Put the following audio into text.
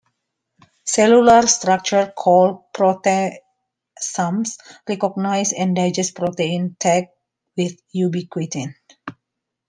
Cellular structures called proteasomes recognize and digest proteins tagged with ubiquitin.